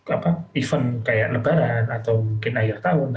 event seperti lebaran atau mungkin ayah tahun